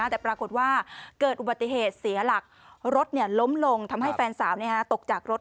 แต่ปรากฏว่าเกิดอุบัติเหตุเสียหลักรถล้มลงทำให้แฟนสาวตกจากรถ